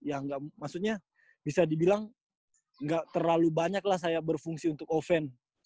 ya maksudnya bisa dibilang nggak terlalu banyak lah saya berfungsi untuk oven